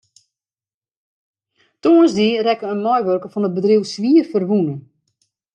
Tongersdei rekke in meiwurker fan it bedriuw swierferwûne.